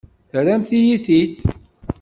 Terram-iyi-t-id.